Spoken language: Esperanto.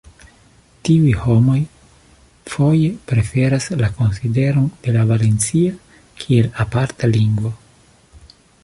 Tiuj homoj foje preferas la konsideron de la valencia kiel aparta lingvo.